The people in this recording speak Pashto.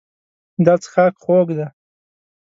دا څښاک خوږ دی.